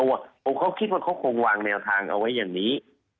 เพราะเขาคิดว่าเขาคงวางแนวทางเอาไว้อย่างนี้